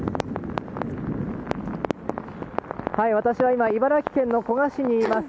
私は今茨城県の古河市にいます。